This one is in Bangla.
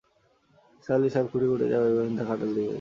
নিসার আলি সাহেব খুটিয়ে খুঁটিয়ে যা বের করেছেন, তা খাতায় লিখে রেখেছেন।